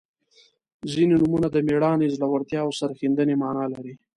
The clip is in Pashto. • ځینې نومونه د میړانې، زړورتیا او سرښندنې معنا لري.